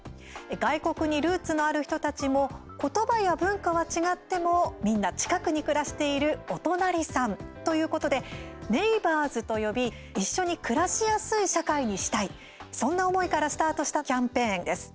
外国にルーツのある人たちも言葉や文化は違ってもみんな近くに暮らしている「おとなりさん」。ということでネイバーズと呼び一緒に暮らしやすい社会にしたいそんな思いからスタートしたキャンペーンです。